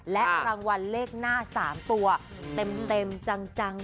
และรางวัลเลขหน้า๓ตัวเต็มจัง